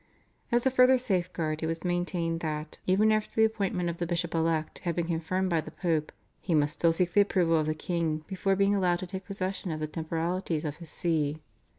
As a further safeguard it was maintained that, even after the appointment of the bishop elect had been confirmed by the Pope, he must still seek the approval of the king before being allowed to take possession of the temporalities of his See.